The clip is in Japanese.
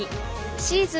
シーズン